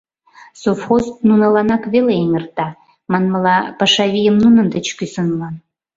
Совхоз нуныланак веле эҥерта, манмыла, паша вийым нунын деч кӱсынла.